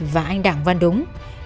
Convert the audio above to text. và anh đảng văn đúng